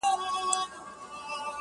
اوس له شپو سره راځي اغزن خوبونه-